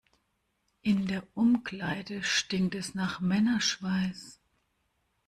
In der Umkleide stinkt es nach Männerschweiß.